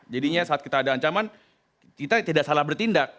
jadinya saat kita ada ancaman kita tidak salah bertindak